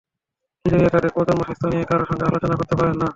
কিশোরীরা তাদের প্রজনন স্বাস্থ্য নিয়ে কারও সঙ্গে আলোচনা করতে পারে না।